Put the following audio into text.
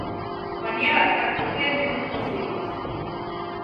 Man jāatkārto terminu nozīmes.